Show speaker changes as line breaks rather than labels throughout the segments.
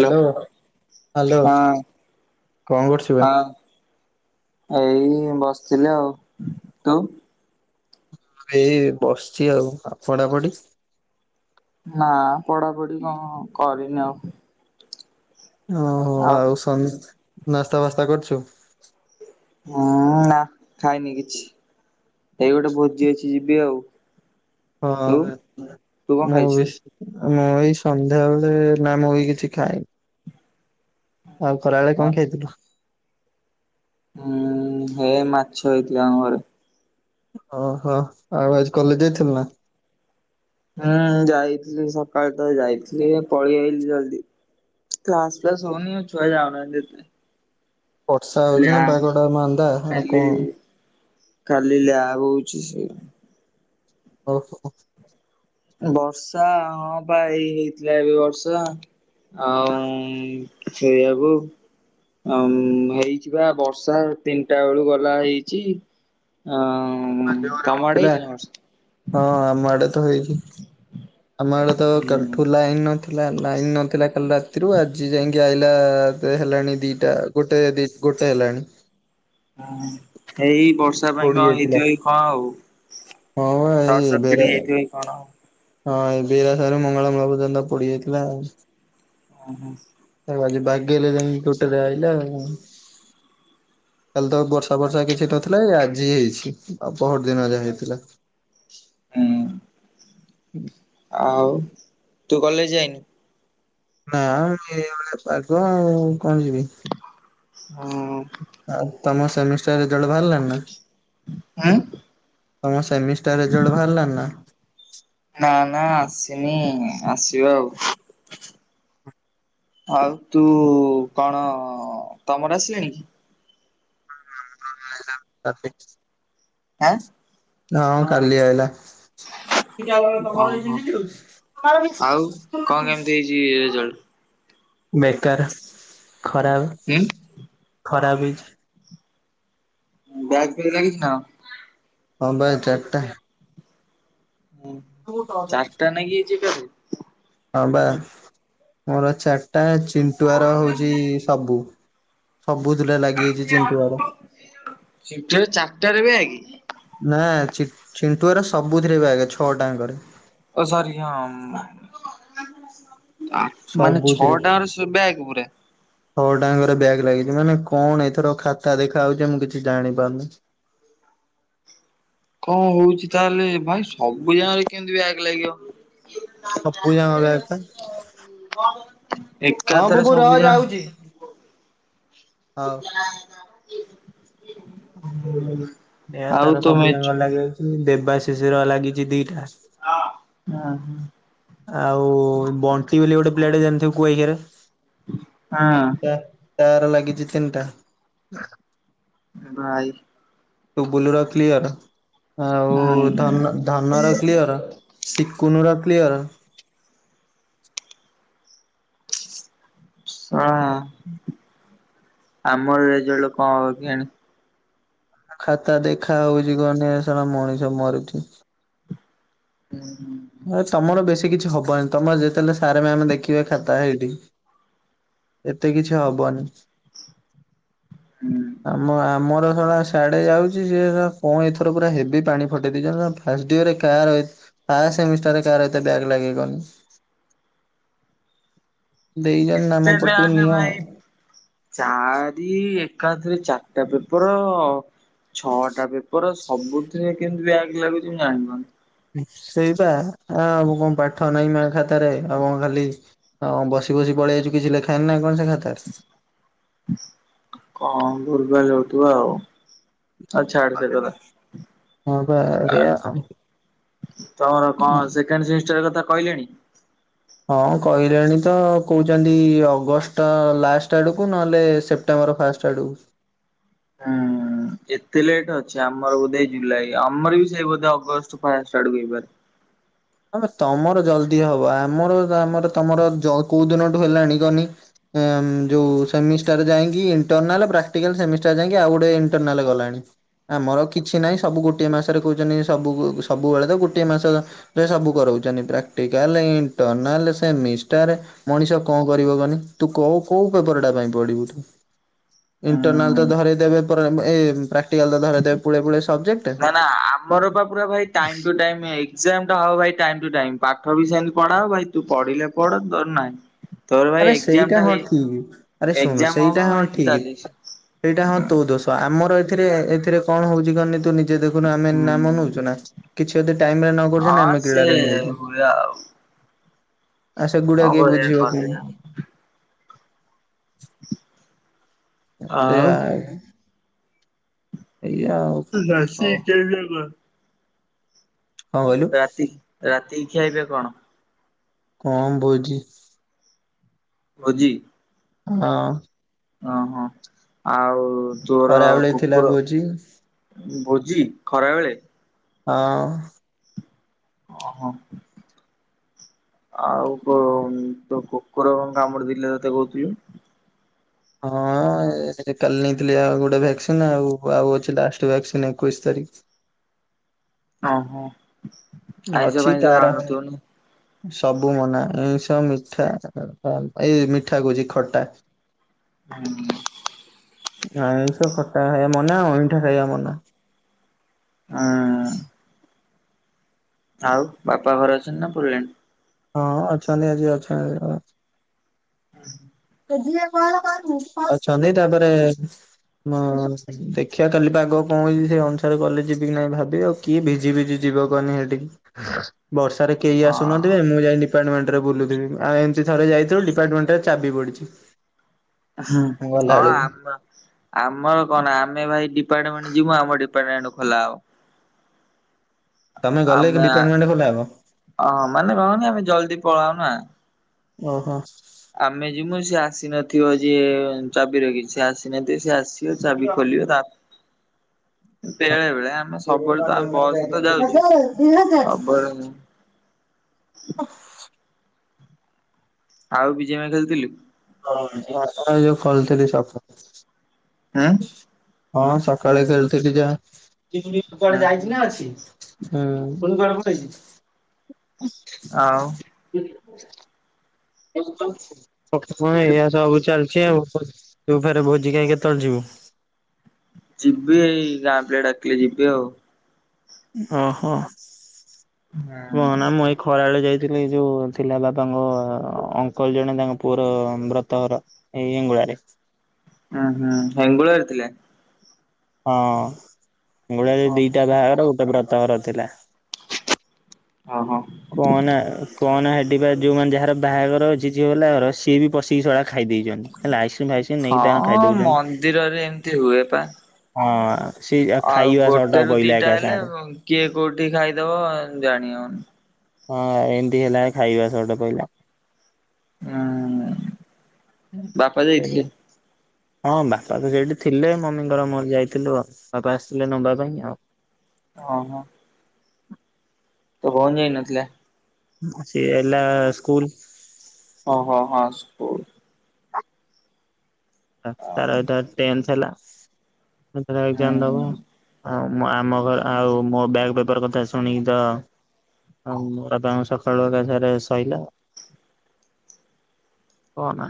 Hello hello
ହଁ
କଣ କରୁଚୁ ବା?
ହଁ ଏଇ ବସିଥିଲି ଆଉ। ତୁ?
ଏଇ ବସିଛି ଆଉ। ଆଉ ପଢାପଢି?
ନା ପଢାପଢି କଣ କରିନି ଆଉ।
ଓହୋ ଆଉ [unintelligible] ନାସ୍ତା ଫାସ୍ତା କରିଚୁ?
ହଁ ନା ଖାଇନି କିଛି। ଏଇ ଗୋଟେ ଭୋଜି ଅଛି ଯିବି ଆଉ।
ହଁ
ତୁ
[unintelligible]
ତୁ କଣ
ମୁଁ
ଖାଇଛୁ?
ବି। ମୁଁ ଏଇ ସନ୍ଧ୍ୟାବେଳେ ନା ମୁଁ ଏଇ କିଛି ଖାଇନି। ଆଉ ଖରାବେଳେ କଣ ଖାଇଥିଲୁ?
ଉଁ ହେ ମାଛ ହେଇଥିଲା ଆମ ଘରେ।
ଓହୋ। ଆଉ ଆଜି କଲେଜ ଯାଇଥିଲୁ ନା?
ହୁଁ ଯାଇଥିଲି ସକାଳ ତ ଯାଇଥିଲି ପଳେଇ ଆଇଲିି ଜଲଦି। କ୍ଲାସ ଫ୍ଲାସ ହଉନି ଛୁଆ ଯାଉନାହାନ୍ତି ଏତେ।
ବର୍ଷା ହଉଚି ନା
ଲ୍ୟାବ
ପାଗ ଟା ମାନ୍ଦା ଆଉ କଣ।
କାଲି ଲ୍ୟାବ୍ ହଉଚି ସେ
ଅଳପ।
ବର୍ଷା ହଁ ପାଁ ଏଇ ହେଇଥିଲା ଏବେ ବର୍ଷା ଆଉ [unintelligible] ଉଁ ହେଇଯିବା ବର୍ଷା ତିନିଟା ବେଳୁ ଗଲା ହେଇଚି। ଆଁ।
ବର୍ଷା ଜୋରେହଉଥିଲା ହଁ ଆମ ଆଡେ ତ ହେଇଚି ଆମ ଆଡେ ତ
ହୁଁ।
କାଲିଠୁ ଲାଇନ୍ ନଥିଲା ଲାଇନ୍ ନଥିଲା କାଲି ରାତିରୁ ଆଜି ଯାଇି ଜାଇକି ଆଇଲା ହେଲାଣି ଦିଟା ଗୋଟେ ଦ ଗୋଟେ ହେଲାଣି।
ହଁ [unintelligible] ବର୍ଷା ପାଇଁ
ପୋଡି
କଣ
ଯାଇଥିଲା।
ହେଇଥିବ କି କଣ ଆଉ
ହଁ ବା ଏଇ
ସଟ୍ ସକେଟ
ବେରା
ହେଇଥିବ କି କଣ ଆଉ।
ହଁ ଏ ବିରାସାରୁ ମଙ୍ଗଳ ମଳା ପର୍ଯ୍ୟନ୍ତ ପଡିଯାଇଥିଲା ଆଉ।
ଓ ହୋ।
ତା ବାଗେଇଲେ ଯାଇକି ଟୋଟେଲି ଆଇିଲା। କାଲି ତ ବର୍ଷା ବର୍ଷା କିଛି ତ ନଥିଲା ଏଇ ଆଜି ହେଇଛି ଆଉ ପହରଦିନ ଯାହା ହେଇଥିଲା।
ହୁଁ।
ହୁଁ।
ଆଉ ତୁ କଲେଜ ଯାଇନୁ।
ନା ଏଇଭଳିଆ ପାଗ ଆଉ କଣ ଯିବି।
ହୁଁ।
ଆଉ ତମ ସେମିଷ୍ଟାରରେଜଲଟ ବାହାରିଲଣି ନା। ତମ ସେମିଷ୍ଟାର ରେଜଲ୍ଟ ବାହାରିଲାଣି ନା।
ନା ନା ଆସିନି ଆସିବ ଆଉ। ଆଉ ତୁ କଣ ତମର ଆସିଲାଣିକି।
[unintelligible]
ଆଁ।
ହଁ କାଲି ଆଇଲା।
ଓହୋ ଆଉ କଣ
[unintelligible]
[unintelligible]
ବେକାର ଖରାପ।
ଉଁ।
ଖରାପ ହେଇଚି।
ବ୍ୟାଗ ଫିଆକ ଲାଗିଚିନା କଣ।
ହଁ ଭାଇ ଚାରିଟା।
ହୁଁ ଚାରିଟା ନାଗିଜାଇଚି ବ୍ୟାକ।
ହଁ ବା ମୋର ଚାରିଟା ଚିଣ୍ଟୁଆର ହଉଚି ସବୁ। ସବୁଥିରେ ଲାଗିଯାଇଚି ଚିଣ୍ଟୁଆର।
ସିଫ୍ଟରେ ଚାରିଟାରେ ବ୍ୟାଗ୍?
ନା ଚି ଚିଣ୍ଟୁଆର ସବୁଥିରେ ବିୟାକ ଛଅଟା ଆଙ୍କରେ।
ଓ ସାରି [unintelligible] ମାନେ ଛଅଟା ଆଙ୍କରେ ବ୍ୟାଗ ପୁରା।
ଛଅଟା ଆଙ୍କରେ ବ୍ୟାକ ଲାଗିଚି ମାନେ କଣ ଏଥର ଖାତା ଦେଖାହଉଚି ମୁଁ କିଛି ଜାଣି ପାରୁନି।
କଣ ହଉଛି ତାହେଲେ ଭାଇ ସବୁ ଜାକରେ କେମିତି ବ୍ୟାଗ ଲାଗିବ।
ସବୁ ଜାକ ବ୍ୟାକ ପା ହଁ
ଏକାଥରେ
ବୁବୁ
ସବୁ
ହଁ
ଯା
ଯାଉଚି। ହଉ।
ହୁଁ।
ଏୟାର୍ ତାର ସବୁ ଜାଙ୍କ ଲାଗିଜାଇଚି ଦେବା ଶିଶିର ଲାଗିଚି ଦିଟା।
ହ ହଁ।
ଆଉ ବଣ୍ଟି ବୋଲି ଗୋଟେ ପିଲାଟେ ଜଣିଥିବୁ କୁଆଖିଆରେ।
ହଁ।
ତା ତାର ଲାଗିଚି ତିନିଟା।
ଏ ଭାଇ।
ତୁ ବୁଲୁବା କ୍ଲିୟର ଆଉ
ହୁଁ।
ଧନ ଧନର କ୍ଲିୟର। ସିକୁନୁର କ୍ଲିୟର।
ସଆ ଆମରି ରେଜଲ୍ଟ କଣ ହବ କେଆଣି।
ଖାତା ଦେଖା ହୋଉଚି ଗନେ ଏ ଶଳା ମଣିଷ ମରୁଚି।
ଉହୁଁ
ହେ ତମର ବେଶୀ କିଛି ହବାନି ତମର ଯେତେହେଲେ ସାରେ ମ୍ୟାମ୍ ଦେଖିବେ ଖାତା ଏଇଠି। ଏତେ କିଛି ହବନି
ହୁଁ
ଆମ ଆମର ଶଳା ସ୍ ସ୍ୟାଡେ ଯାଉଚି ସିଏ ଶଳା କଣ ଏଥର ପୁରା ହେବି ପାଣି ଫଟେଇ ଦେଇଚନ୍ତି ନା ଫାଷ୍ଟ ୟରରେ କାହାର ଏତେ ଫାଷ୍ଟ ସେମିଷ୍ଟାରରେ କାହାର ଏତେ ବ୍ୟାକ୍ ଲାଗେ କହନି।
ସେ
ଦେଇଛନ୍ତି ନାମ
ଯେତଳେ
ପଟିକି
ଆସେ
ନିଅ।
ଭାଇ ଚାରି ଏକାଥରେ ଚାରଟା ପେପର ଛଅଟା ପେ ତୋର ସବୁଥିରେ କେମିତି ବ୍ୟାଗ୍ ଲାଗୁଚି ମୁଁ ଯାଣିପାରୁନି।
ସେଇପା ଆ ମୁଁ କଣ ପାଠ ନାଇଁ ନା ଖାତାରେ ଆଉ କଁ ଖାଲି ଆଉ କଁ ବସିବସି ପଳେଇ ଆଇଚୁ କିଛି ଲେଖାହେଇନି ନା କଣ ସେ ଖାତାରେ।
କଣ ଭୁଲ୍ ଭାଲ୍ ହୋଉଥିବ ଆଉ। ଆଉ ଛାଡେ ସେକଥା।
ହଁ ବା ଏଇଆ ଆଉ।
ତମର କଣ ସେକେଣ୍ଡ୍ ସେମିଷ୍ଟାର୍ କଥା କହିଲେଣି।
ହଁ କହିଲେଣି ତ କହୁଚନ୍ତି ଅଗଷ୍ଟ ଲାଷ୍ଟ ଆଡକୁୁ ନହେଲେ ସେପ୍ ପଟେମ୍ବର ଫାଷ୍ଟ ଆଡ଼କୁ।
ଉଁ ଯେ ଏତେ ଲେଟ ଅଛି ଆମର ବୋଧେ ଏଇ ଜୁଲାଇ ଆମର ବି ସେଇ ବୋଧେ ଅଗଷ୍ଟ ଫାଷ୍ଟ୍ ଆଡକୁ ହେଇପାରେ।
ଆବେ ତମର ଜଲଦି ହବ ଆମର ଆମର ତମର ଯ କୋଉ ଦିନଠୁ ହେଲାଣି କହନି। ଆଁମ୍ ଯୋଉ ସେମିଷ୍ଟାର୍ ଯାଇକି ଇଣ୍ଟରନାଲ୍ ପ୍ରାଟିକାଲ୍ ସେମିଷ୍ଟାର୍ ଯାଇକି ଆଉ ଗୋଟେ ଇଣ୍ଟରନାଲ୍ ଗଲାଣି। ଆମର ଆଉ କିଛି ନାହିଁ ସବୁ ଗୋଟିଏ ମାସରେ କୋହୁଚନ୍ତି ସବୁକୁ ସବୁବେଳେ ତ ଗୋଟିଏ ମାସ ଯ ସବୁ କରୋଉଚନ୍ତି ପ୍ରାକ୍ଟିକାଲ, ଇଣ୍ଟର୍ନାଲ, ସେମିଷ୍ଟାର୍। ମଣିଷ କଣ କରିବ କହନି ତୁ କୋଉ କୋଉ ପେପରଟା ପାଇଁ ପଢିବୁ ତୁ।
ହୁଁ।
ଇଣ୍ଟରନାଲ୍ ତ ଧରେଇଦେବେ ପରେ ଏ ପ୍ରାକ୍ଟିକାଲ ତ ଧରେଇଦେବେ ପୁଳେପୁଳେ ସବଜେକ୍ଟ।
ନା ନା ଆମର ପା ପୁରା ଭାଇ ଟାଇମ୍ ଟୁ ଟାଇମ ଏଗ ଏଗଜାମଟା ହବ ଭାଇ ଟାଇମ୍ ଟୁ ଟାଇମ୍ ପାଠ ବି ସେମିତି ପଢା ହବ ଭାଇ ତୁ ପଢିଲେ ପଢ ଦର ନାହିଁ। ତୋର ଭାଇ
ଆରେ
ଏକ୍ଜାମ
ସେଇଟା
ଟା
ହଁ
ହେଇ
ଠିକି ଆରେ ଶୁଣୁ
ଏକ୍ଜାମ ହବ
ସେଇଟା ହଁ
ଏଇତ
ଠିକି।
ଚାଲିଛି।
ସେଇଟା ହଁ ତୋ ଦୋଶ ଆମର ଏଥିରେ ଏଥିରେ କଣ ହୋଉଚି କନି ତୁ ନି ଜେ ଦେଖୁନୁ ଆମେ
ହୁଁ
ନାମ ନୋଉଚୁ ନା କିଛି ଯଦି ଟାଇମରେ ନ କରୁଚନ୍ତି ଆମେ କିଳାଟା ନୋଉ ଏଇଠି।
ଟା ଆଉ
ଆଉ ସେଗୁଡା
କଣ
କିଏ
କରିବା
ବୁଝିବକି?
କଲେଜ
ସେୟା
ଆଉ
ଆ ଏଇଆ ଆଉ।
ତୋ ଦାଶି
କଣ
କେ ଦବ
କହିଲୁ
ରାତି ରାତିକି ଖିଆପିଆ କଣ?
କଣ ଭୋଜି।
ଭୋଜି?
ହଁ।
ଅହଁ ଆଉ ତୋର
ଖରାବେଳେ ଥିଲା
କୁକୁର
ଭୋଜି।
ଭୋଜି ଖରାବେଳେ
ହଁ।
ଅହଁ। ଆଉ କୋ ତୋ କୁକୁର କଣ କାମୁଡିଦେଇଥିଲା ତତେ କହୁଥିଲୁ।
ହଁ ଏ ଏ ସେଠି କାଲି ନେଇଥିଲି ଆଉ ଗୋଟେ ଭାକ୍ସିନ୍ ଆଉ ଆଉ ଅଛି ଲାଷ୍ଟ ଭାକ୍ସିନ୍ ଏକୋଇଶ ତାରିକ।
ଓହୋ ଆଇଁଷ
ଅଛି
ଫାଇଁଷ
ତାର
ଖାଉନଥିବ ନୁହେଁ?
ସବୁ ମନା ଆଇଁଷ ମିଠା ଆ ଏଇ ମିଠା କୋହୁଚି ଖଟା।
[unintelligible]
ଆଇଁଷ ଖଟା ଖାଇବା ମନା ଅଇଁଠା ଖାଇବା ମନା।
ଆଁ ଆଉ ବାପା ଘରେ ଅଛନ୍ତି ନା ପଳେଲେଣି?
ହଁ ଅଛନ୍ତି ଆଜି ଅଛନ୍ତି। [unintelligible] ଅଛନ୍ତି ତାପରେ ମୋ ଦେଖିଆ କାଲି ପାଗ କଣ ହେଇଛି ସେଇ ଅନୁସାରେ କଲେଜ ଯିବି କିି ନାହିଁ ଭାବି ଆଉ। କିଏ ଭିଜି ଭିଜି ଯିବ କହନି ହେଠିକି ବର୍ଷାରେ କେହି ଆସୁନା
ହଁ।
ମୁଁ ଯାଇ ଡିପାର୍ଟମେଣ୍ଟରେ ବୁଲୁଥିବି ଆଉ ଏମତି ଥରେ ଯାଇଥିଲୁ ଡିପାର୍ଟମେଣ୍ଟଟାରେ ଚାବି ପଡିଚି।
ହଁ ଆମ ଆମର କଣ ଆମେ ଭାଇ ଡିପାର୍ଟମେଣ୍ଟ ଯିବୁ ଆମ ଡିପାର୍ଟମେଣ୍ଟ ଖୋଲା ହବ।
ତମେ ଗଲେ କି ଡିପାର୍ଟମେଣ୍ଟ ଖୋଲା ହବ?
ଅହ ମାନେ କନ୍ କହନି ଆମେ ଜଲଦି ପଳାଉ ନା।
ଓ ହୋ।
ଆମେ ଯିମୁ ସେ ଆସିନଥିବ ଯିଏ ଚାବି ରଖିଛି ସେ ଆସିନଥିବ ସିଏ ଆସିି [unintelligible] ଚାବି ଖୋଲିବେ ତା [unintelligible] ବେଳେ ବେଳେ ସବୁବେଳେ ତ ଆମେ ବସ୍ ତ
ହଜାର
ଯାଉଚୁ
ଦି ହଜାର।
ସବୁବେଳେ
[unintelligible]
ଆଉ ବି ଜି ଏମ୍ ଆଇ ଖେଳିଥିଲୁ?
ଏ ଯୋଉ ଖୋଲଥିଲି ସକାଳେ।
ଉଁ?
ହଁ ସକାଳେ ଖେଳୁଥିଲି ଯାହା।
ଉଁ ହୁଁ ଆଉ
ଉଁ। [unintelligible]
ଆରେ
ଏଇଆ ସବୁ ଚାଲିଛି ଆଉ ତୁ ଫେରେ ଭୋଜି ଖାଇ କେତେଳ ଯିବୁ?
ଯିବି ଏଇ ଗାଁ ପିଲା ଡାକିଲେ ଯିବି ଆଉ।
ଓ ହ
ହୁଁ
କୁହନା ମୁଁ ଏ ଖରାବେଳେ ଯାଇଥିଲି ଯୋଉ ଥିଲା ବାପାଙ୍କ ଅଙ୍କଲ ଜଣେ ତାଙ୍କ ପୁଅର ବ୍ରତ ଘର। ଏଇ ଏଙ୍ଗୁଳାରେ।
ହୁଁ ହୁଁ ହେଙ୍ଗୁଳାରେ ଥିଲା?
ହଁ ହେଙ୍ଗୁଳାରେ
ଓହୋ
ଦିଟା ବାହାଘର ଗୋଟେ [unintelligible] ବ୍ରତ ଘର ଥିଲା।
ଓ ହ।
କୁହନା କହନା ସେଠି ବା ଯୋଉମାନେ ଯାହାର ବାହାଘର ଅଛି ଝିଅ ବାଲା ଘର ସିଏ ବି ପଶିକି ଶଳା ଖାଇ ଦେଇଛନ୍ତି। ହେଲା ଆଇସ୍କ୍ରିମ୍ ଫାଇସକ୍ରିମ୍ ନେଇକି ତାଣ
ହଁ
ଖାଇଦଉଚନ୍ତି।
ମନ୍ଦିରରେ ଏମିତି ହୁଏ ପା।
ହଁ। ସେଇ ଆ
ଆଉ
ଖାଇବା ସର୍ଟ
ଗୋଟେରୁ
ପଇଲା
ଦିଟା
ଏକା
ହେଲେ
ସାଙ୍ଗେ।
କିଏ କୋଉଠି ଖାଇଦବ ଜାଣିିହଉନି।
ହଁ ଏମ୍ତି ହେଲାଣି ଖାଇବା ସର୍ଟ ପଇଲା।
ହଁ ବାପା ଯାଇଥିଲେ?
ହଁ ବାପା ତ ସେଇଠି ଥିଲେ ମମିଙ୍କର ମୋର ଯାଇଥିଲୁ ଆଉ ବାପା ଆସିଥିଲେ ନମ୍ବା ପାଇଁ ଆଉ।
ଓ ହ। ତୋ ଭଉଣୀ ଯାଇ ନଥିଲା?
ସେ ହେଲା ସ୍କୁୂଲ
ଓ ହଁ ହଁ ସ୍କୁଲ।
ତା
ଆଉ
ତାର ଏଇଟା ଟେନ୍‌ଥ ହେଲା [unintelligible] ତାର ଏଜ୍ଜାମ୍ ଦବ। ଆ ମ ଆମ ଘର ଆଉ ମୋ ବ୍ୟାକ୍ ପେପର କଥା ଶୁଣିକି ତ ହଁ ମୋ [unintelligible] ସକାଳୁ ଆକା ସାରେ ସଇଲା। କ ନା।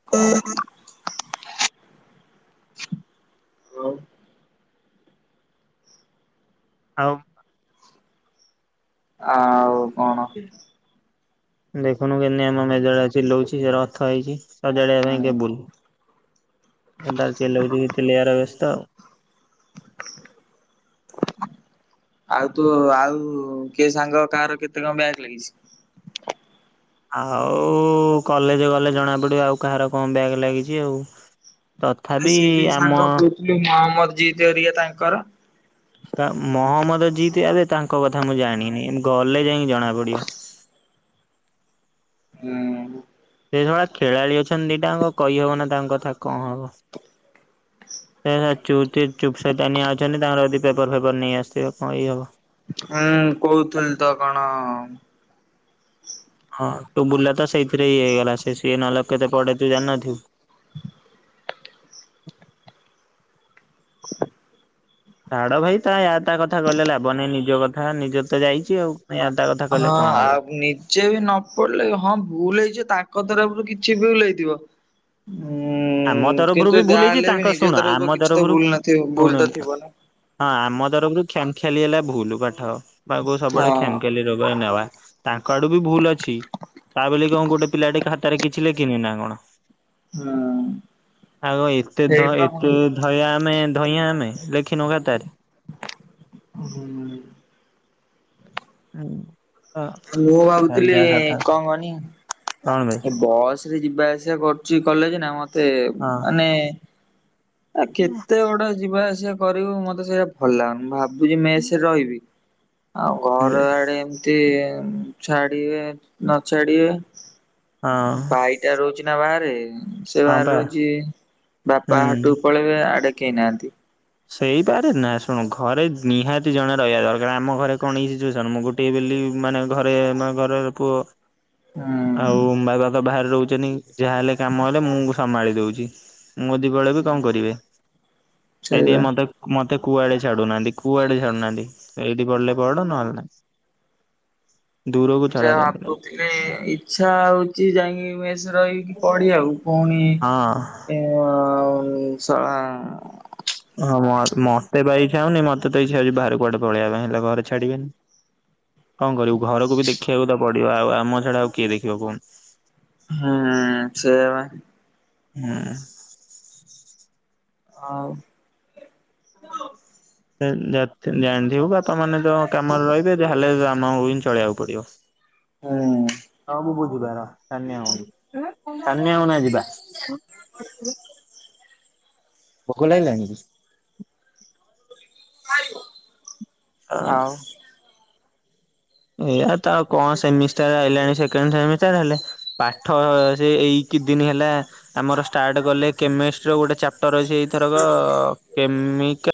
[unintelligible] [unintelligible]
ହଁ [unintelligible]
ଆଉ କଣ
ଦେଖୁନୁ କେମତି ଆମ ମେଜର ଚିଲୋଉ ଲୋଛି ଅର୍ଥ ହେଇଛି। ସଜାଡ଼ିବା ପାଇଁ
ହୁଁ
କେ। ସିଏ ତାର ଚିଲେଉଛି ଚିଲେଇଆରେ ବ୍ୟସ୍ତ ଆଉ। [unintelligible]
ଆଉ ତୁ ଆଉ କିଏ ସାଙ୍ଗ କାହାର କେତେ କଣ ବ୍ୟାକ୍‌ ଲାଗିଛି?
ଆଉ କଲେଜ ଗଲେ ଜଣା ପଡିବ, ଆଉ କାହାର କଣ ବ୍ୟାକ ଲାଗିଛି ଆଉ।
ଆରେ
ତଥାବି
ସେ ଯୋଉ
ଆମ
ସାଙ୍ଗ କହୁଥିଲୁ ମହମ୍ମଦ ଜିତ ଘରିକା ତାଙ୍କର।
ୟା ମହମ୍ମଦ ଜିତ ଆବେ ତାଙ୍କ କଥା ମୁଁ ଜାଣିନି ଗଲେ ଯାଇଁ ଜଣା ପଡିବ।
ହୁଁ।
ସେ ଜଣେ ଖେଳାଳି ଅଛନ୍ତି ଦିଟାଜାଙ୍କ କହିହବ ନି ତାଙ୍କ କଥା କଣ ହବ। ସିଏ ତାର ଚୁପ୍ ତେ ଚୁପ୍ ସଇତାନିଆ ଅଛନ୍ତି ତାଙ୍କର ଯଦି ପେପର ଫେପର ନେଇ ଆସିଥିବେ କଇହେବ।
ହୁଁ କହୁଥିଲି ତ କଣ?
ହଁ ତୁ ବୁଲା ତ ସେଇଥିରେ ଇଏ ହେଇଗଲା, ସେ ସିଏ ନହେଲେ କେତେ ପଡେ ତୁ ଜାଣିିନଥିବୁ?
[inaudible]
ଛାଡ ଭାଇ ତା ୟା ତା କଥା କହିଲେ ଲାଭନହିଁ, ନିଜ କଥା ନିଜ ର ତ ଯାଇଛି ଆଉ। ନାଇ ୟା ତା କଥା କହିଲେ କଣ ହବ।
ଯିଏ ବି ନପଡିଲେ ହଁ ଭୁଲ ହେଇଛି ତାଙ୍କ ତରଫରୁ କିଛି ଭୁଲ ହେଇଥିବ ହୁଁ
ଆମ
ହୁଁ,
ତରଫରୁ ବି
କିନ୍ତୁ
ଭୁଲ ହେଇଛି
ଯାହେଲେ
ତାଙ୍କ
ବି
ଶୁଣ
ନିଜ
ଆମ
ତରଫରୁ କିଛି ତ ଭୁଲ ନଥିବ
ଶୁଣ
ଭୁଲ ତ ଥିବ ନା।
ହଁ ଆମ ତରଫରୁ କ୍ଷାମ ଖିଆଲି ହେଲା ଭୁଲ ପାଠ ବାବୁ ସବୁବେଳେ
ହଁ
କ୍ଷାମ ଖିଆଲି ଦେବା ନେବା ତାଙ୍କ ଆଡୁ ବି ଭୁଲ ଅଛି ତା ବୋଲି କଣ ଗୋଟେ ପିଲାଟେ ଖାତାରେ କିଛି ଲେଖିନି ନା କଣ?
ହଁ।
ଆଗ ଏତେ ଧ ଏତେ ଧଇଆଁ ଆମେ ଧଇଁଆ ଆମେ ଲେଖନୁ ଖାତାରେ।
ହୁଁ [unintelligible]
ହୁଁ [inaudible]
ମୁୁ ଭାବୁଥିଲି କଣ କହନି?
କଣ ବେ
ଏ ବସ ରେ ଯିବା ଆସିବା କରୁଚି କଲେଜ ନା ମତେ
ହଁ
ମାନେ ଆ କେତେ ଗୋଟେ ଯିବା ଆସିବା କରିବୁ ମତେ ସେଇଟା ଭଲ ଲାଗୁନି ଭାବ ମୁଁ ଜିବି ମେସରେ ରହିବି ଆଉ ଘର ଆଡେ ତେ ଛାଡ଼ିବେ ନଛାଡ଼ିବେ
ହଁ
ଭାଇଟା ରହୁଛି ନା ବାହାରେ, ସେ
ହଁ
ବାହାରେ
ପା
ରହୁଛି ବାପା
ହୁଁ।
ହାଟକୁ ପଳେଇ ଆଡେ କେହି ନାହାନ୍ତି।
ସେଇପାରେ ନା ଶୁଣ ଘରେ ନିହାତି ଜଣେ ରହିବା ଦରକାର। ଆମ ଘରେ କଣ ଏଇ ଯୋଉ ଜନ୍ମ ଟିଏ ବୋଲି ମାନେ ଘରେ ମାନେ ଘରର ପୁଅ
ହୁଁ।
ଆଉ ମା ବାପା ବାହାରେ ରହୁଛନ୍ତି, ଯାହାହେଲେ କାମ ହେଲେ ମୁଁ ସମ୍ଭାଳି ଦଉଛି। ମୁଁ ଜଦି ପଳେଇବି କଣ କରିବେ। ସେଇଥୀପାଇଁ
ସେଇବା।
ମତେ ମତେ କୁଆଡେ ଛାଡୁନାହାନ୍ତି କୁଆଡେ ଛାଡୁନାହାନ୍ତି ଏଇଠି ପଢଡିଲେ ପଡ ନହେଲେ ନା।
ଯ
ଛାଡି ନାହିଁ
କହୁଥିଲେ ଇଚ୍ଛା ହଉଛି ଯାଇକି ମେସରେ ରହିବି ପଡି ଆଉ ପୁଣି
ହଁ।
ଏ ସଳା
ହଁ ମତେ ବାଇ ଛଉନି ମତେ ତ ଇଛଛି ବାହାରକୁ କୁଡେ ପଳେଇ ପାଇଁ ହେଲା ଘରେ ଛାଡିବେନି। କଣ କରିବୁ ଘରକୁ ବି ଦେଖିବାକୁ ତ ପଡିବ ଆଉ ଆମ ଛାଡା ଆଉ କିଏ ଦେଖିବ କହୁନୁ।
ହୁଁ ସେ
ହୁଁ।
ଆଉ।
ହ ଜା-ଜାଥି-ଜାଣିଥିବୁ ବାପା ମାନେ ତ କାମରେ ରହିବେ ଯାହା ହେଲେ ଆମକୁ ହିଁ ଚଳିଆକୁ ପଡିବ।
ହୁଁ।
ହଉ ମୁଁ ବୁ ଯିବା ରହ ଛାନିଆ ହଅନି ଛାନିଆ ହଅନା ଯିବା। ଭୋକ ଲାଗିଲାଣି କି?
[unintelligible]
ହଁ।
ଆଉ
ଏଇଆ ତ ଆଉ କଣ ସେମିଷ୍ଟାର ଆଇିଲାଣି ସେକେଣ୍ଡ ସେମି ଷ୍ଟାର ହେଲେ ପାଠ ସେ ଏଇ କି ଦିନି ହେଲା ଆମର ଷ୍ଟାର୍ଟ କଲେ କେମିଷ୍ଟ୍ରି ର ଗୋଟେ ଚାପ୍ଟର ଅଛି ଏଇ ଥରକ କେମିକା